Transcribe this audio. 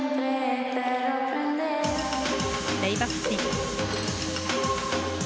レイバックスピン。